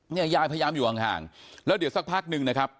ยายพยายามอยู่ห่างแล้วเดี๋ยวสักพักหนึ่งนะครับ